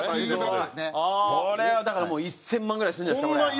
これはだからもう１０００万ぐらいするんじゃないですかこれ。